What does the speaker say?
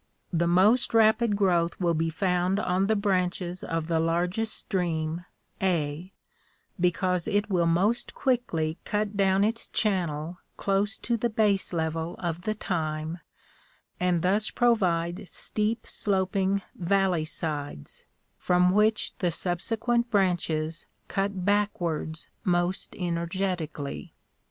The most rapid growth will be found on the branches of the largest stream, A, because it will most quickly cut down its channel close to the baselevel of the time and thus provide steep sloping valley sides, from which the subsequent branches cut backwards most energetically.